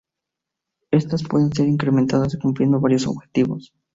Estas pueden ser incrementadas cumpliendo varios objetivos.